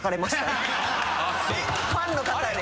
ファンの方に。